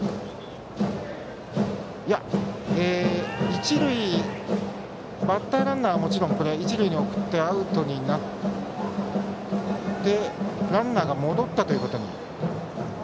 一塁、バッターランナーはもちろん一塁に送ってアウトになってランナーが戻ったということに。